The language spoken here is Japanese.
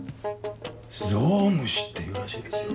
ゾウムシというらしいですよ。